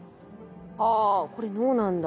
はあこれ脳なんだ。